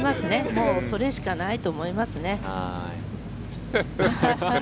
もうそれしかないと思いますね。